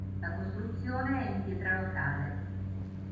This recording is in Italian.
La costruzione è in pietra locale.